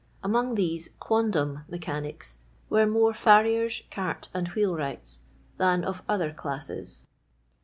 Among these quondam mechanics were more farriers, cart and wheel wrights, than of other classes.